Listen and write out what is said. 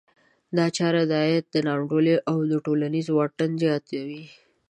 دا چاره د عاید نا انډولي او ټولنیز واټن زیاتوي.